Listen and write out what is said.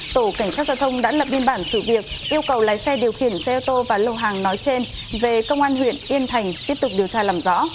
tổ cảnh sát giao thông đã lập biên bản sự việc yêu cầu lái xe điều khiển xe ô tô và lô hàng nói trên về công an huyện yên thành tiếp tục điều tra làm rõ